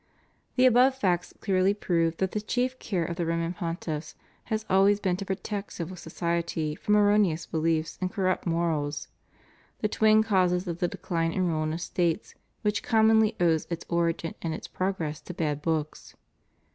The above facts clearly prove that the chief care of the Roman Pontiffs has always been to protect civil society from erroneous behefs and corrupt morals, the twin causes of the decline and ruin of States, which commonly owes its origin and its progress to bad books.